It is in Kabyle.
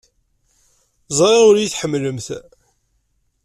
Ẓriɣ ur iyi-tḥemmlemt.